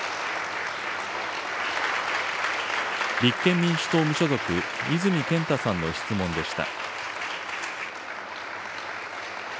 立憲民主党・無所属、泉健太さんの質問でした。